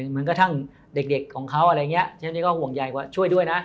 เหมือนกระทั่งเด็กของเขาอะไรอย่างนี้เช่นนี้ก็ห่วงใหญ่ว่าช่วยด้วยนะ